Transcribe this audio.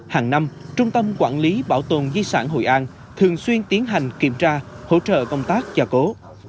hàng năm trung tâm quản lý bảo tồn di sản hội an thường xuyên tiến hành kiểm tra hỗ trợ công tác gia cố